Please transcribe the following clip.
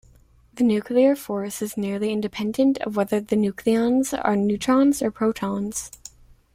The nuclear force is nearly independent of whether the nucleons are neutrons or protons.